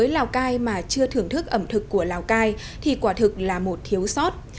lào cai mà chưa thưởng thức ẩm thực của lào cai thì quả thực là một thiếu sót